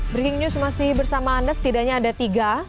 breaking news masih bersama anda setidaknya ada tiga